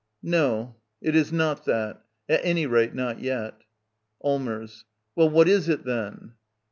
No, it is not that — at any rate, not yet. Allmers. Well, what is it, then?